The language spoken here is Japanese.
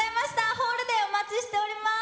ホールでお待ちしております。